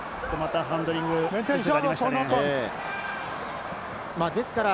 ハンドリングミスがありましたね。